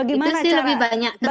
itu sih lebih banyak terjadi